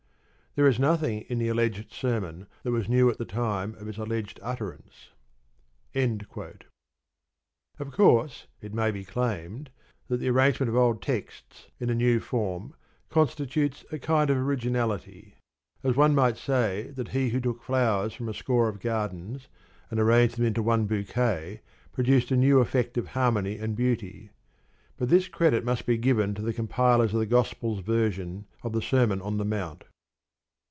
There is nothing in the alleged sermon that was new at the time of its alleged utterance. Of course, it may be claimed that the arrangement of old texts in a new form constitutes a kind of originality; as one might say that he who took flowers from a score of gardens and arranged them into one bouquet produced a new effect of harmony and beauty. But this credit must be given to the compilers of the gospels' version of the Sermon on the Mount.